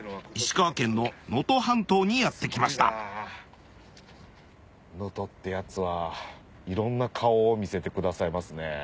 石川県の能登半島にやって来ました能登ってやつはいろんな顔を見せてくださいますね。